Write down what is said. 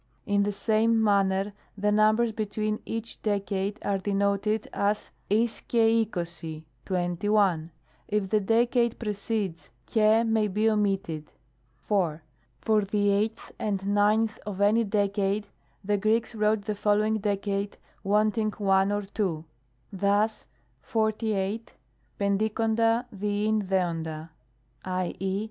In the same manner the numbers between each decade are denoted, as th xai tX^oaty " twenty one." If the decade precedes, tcuI may be omitted. 4. For the eighth and ninth of any decade, the Greeks wrote the following decade wanting 1 or 2. Thus (48), ntvvr]xovra dvolv dsovra, i. e.